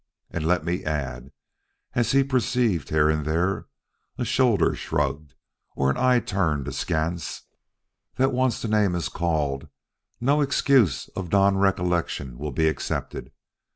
And let me add" as he perceived here and there a shoulder shrugged, or an eye turned askance "that once the name is called, no excuse of non recollection will be accepted.